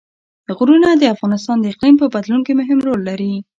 غرونه د افغانستان د اقلیم په بدلون کې مهم رول لري.